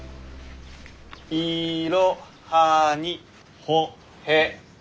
「いろはにほへと」。